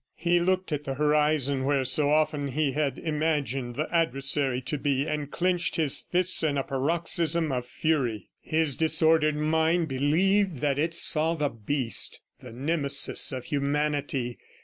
He looked at the horizon where so often he had imagined the adversary to be, and clenched his fists in a paroxysm of fury. His disordered mind believed that it saw the Beast, the Nemesis of humanity.